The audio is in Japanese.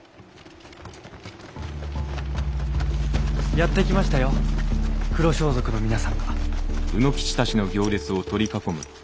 やって来ましたよ黒装束の皆さんが。